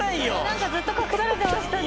何かずっと隠されてましたね。